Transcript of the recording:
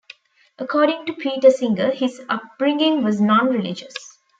According to Peter Singer, his upbringing was non-religious.